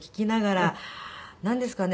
なんですかね。